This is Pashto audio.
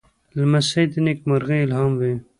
لمسی د نېکمرغۍ الهام وي.